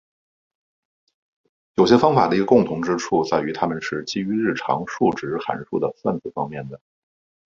有些方法的一个共同之处在于它们是基于日常数值函数的算子方面的。